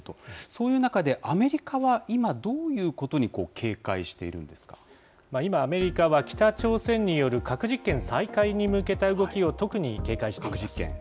そういう中でアメリカは今、どう今、アメリカは北朝鮮による核実験再開に向けた動きを特に警戒しています。